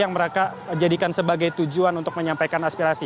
yang mereka jadikan sebagai tujuan untuk menyampaikan aspirasi